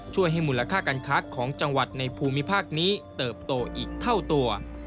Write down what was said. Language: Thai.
ช่วยให้มูลค่าการค้าของจังหวัดในภูมิภาคนี้เติบโตอีกเท่าตัว